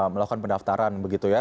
melakukan pendaftaran begitu ya